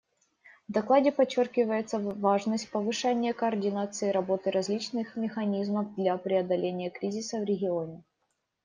В докладе подчеркивается важность повышения координации работы различных механизмов для преодоления кризиса в регионе.